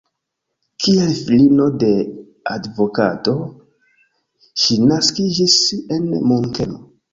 Kiel filino de advokato ŝi naskiĝis en Munkeno.